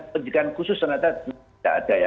penjagaan khusus ternyata tidak ada